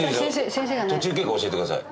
途中経過を教えてください。